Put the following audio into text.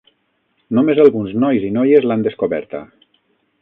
Només alguns nois i noies l'han descoberta.